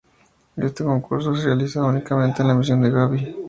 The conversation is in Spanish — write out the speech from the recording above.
Este concurso se realizaba únicamente en la emisión de Gaby.